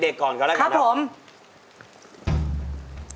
เด็กก่อนกันแล้วกันนะครับครับผม